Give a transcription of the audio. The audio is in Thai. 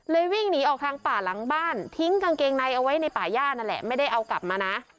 วิ่งหนีออกทางป่าหลังบ้านทิ้งกางเกงในเอาไว้ในป่าย่านั่นแหละไม่ได้เอากลับมานะ